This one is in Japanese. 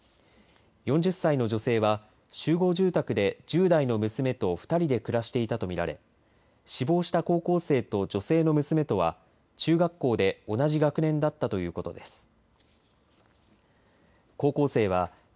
４０歳の女性は集合住宅で１０代の娘と２人で暮らしていたと見られ、死亡した高校生と女性の娘とは中学校で同じ学年だったということです。